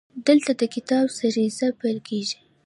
دلته د کتاب سریزه پیل کیږي.